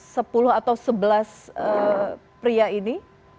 sepuluh atau sebelas pria ini